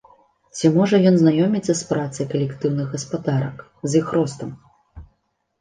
Ці можа ён знаёміцца з працай калектыўных гаспадарак, з іх ростам?